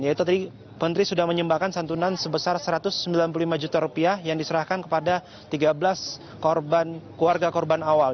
yaitu tadi menteri sudah menyembahkan santunan sebesar satu ratus sembilan puluh lima juta rupiah yang diserahkan kepada tiga belas keluarga korban awal